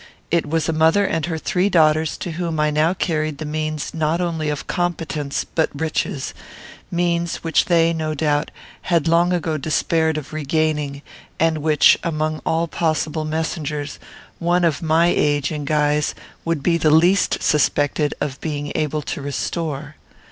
It was a mother and her three daughters to whom I now carried the means not only of competence but riches; means which they, no doubt, had long ago despaired of regaining, and which, among all possible messengers, one of my age and guise would be the least suspected of being able to restore.